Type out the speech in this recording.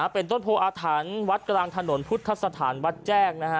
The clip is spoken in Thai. เป็นต้นโพออาถรรย์วัดกลางถนนพุทธศาสตร์ฐานวัดแจ้ง